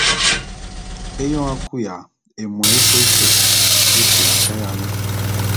Eyoñ a kuya, émo ése fe é kuya kayale.